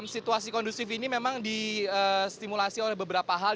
situasi kondusif ini memang distimulasi oleh beberapa hal